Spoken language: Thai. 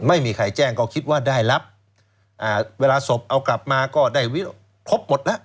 ไม่มีใครแจ้งก็คิดว่าได้รับเวลาศพเอากลับมาก็ได้ครบหมดแล้ว